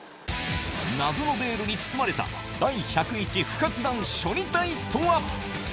謎のベールに包まれた第１０１不発弾処理隊とは？